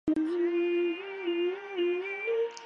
我同事怀孕之后，每天都吃两个人的份。